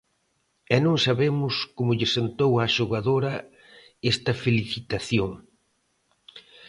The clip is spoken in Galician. E non sabemos como lle sentou á xogadora esta felicitación.